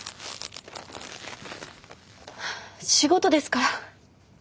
はあ仕事ですから。